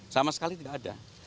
sama sekali nggak ada